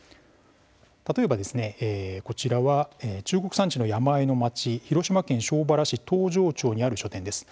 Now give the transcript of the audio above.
例えば、こちらは中国山地の山あいの町広島県庄原市東城町にある書店です。